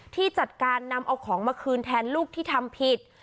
ที่จัดการนำเอาของมาคืนแทนลูกที่ทำผิด